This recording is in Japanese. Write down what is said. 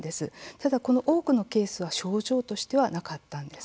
ただ多くのケースは症状としてはなかったんです。